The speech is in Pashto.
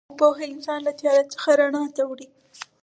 علم او پوهه انسان له تیاره څخه رڼا ته وړي.